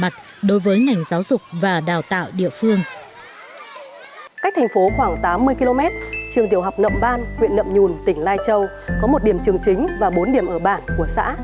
trường tiểu học nậm ban huyện nậm nhùn tỉnh lai châu có một điểm trường chính và bốn điểm ở bản của xã